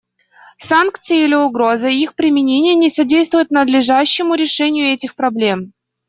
Санкции или угроза их применения не содействуют надлежащему решению этих проблем.